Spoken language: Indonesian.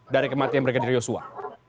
dari kematian brigadir yosua